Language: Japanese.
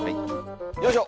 よいしょ。